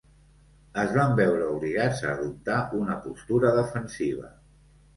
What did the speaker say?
Es van veure obligats a adoptar una postura defensiva.